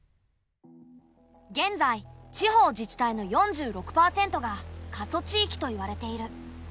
現在地方自治体の４６％が過疎地域といわれている。